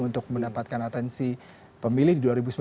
untuk mendapatkan atensi pemilik dua ribu sembilan belas